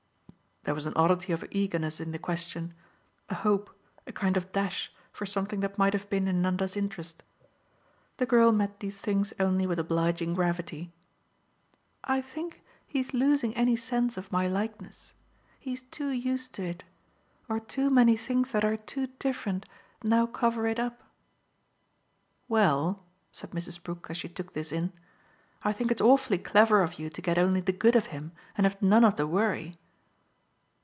There was an oddity of eagerness in the question a hope, a kind of dash, for something that might have been in Nanda's interest. The girl met these things only with obliging gravity. "I think he's losing any sense of my likeness. He's too used to it or too many things that are too different now cover it up." "Well," said Mrs. Brook as she took this in, "I think it's awfully clever of you to get only the good of him and have none of the worry."